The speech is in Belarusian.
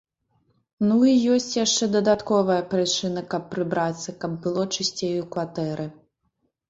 Ну, і ёсць яшчэ дадатковая прычына, каб прыбрацца, каб было чысцей у кватэры.